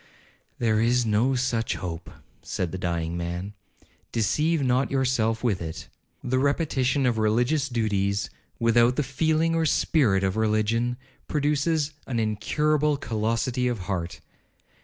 'There is no such hope,' said the dying man, 'deceive not yourself with it. The repetition of religious duties, without the feeling or spirit of religion, produces an incurable callosity of heart.